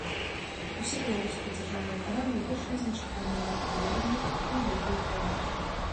Усе беларускія дзяржаўныя каналы выйшлі з нечаканымі матэрыяламі на гэтую тэму.